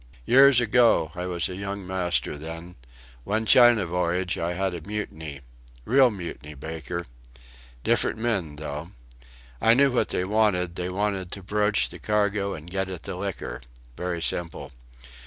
Years ago; I was a young master then one China voyage I had a mutiny; real mutiny, Baker. Different men tho'. I knew what they wanted: they wanted to broach the cargo and get at the liquor. Very simple....